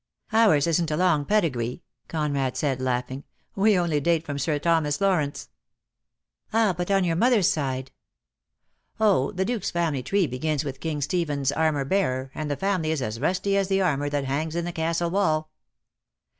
"Ours isn't a long pedigree," Conrad said, DEAD LOVE HAS CHAINS. 20I laughing. "We only date from Sir Thomas Law rence." "Ah, but on your mother's side." "Oh, the Duke's family tree begins with King Stephen's armour bearer, and the family is as rusty as the armour that hangs in the Castle hall."